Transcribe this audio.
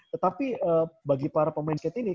tetapi bagi para pemain skate ini